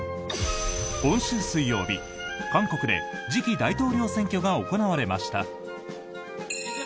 今週水曜日、韓国で次期大統領選挙が行われました。